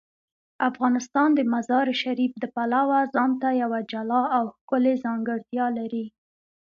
افغانستان د مزارشریف د پلوه ځانته یوه جلا او ښکلې ځانګړتیا لري.